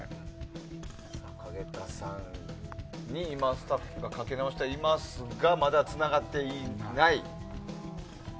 かげたさんに今スタッフがかけ直していますがまだつながっていない。